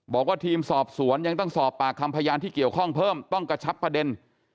บอกว่าทีมสอบสวนยังต้องสอบปากคำพยานที่เกี่ยวข้องเพิ่มต้องกระชับประเด็น